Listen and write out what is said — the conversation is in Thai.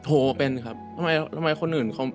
โทรเป็นครับทำไมคนอื่นเขา